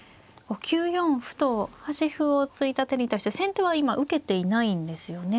９四歩と端歩を突いた手に対して先手は今受けていないんですよね。